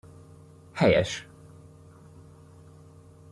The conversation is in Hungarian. Helyes!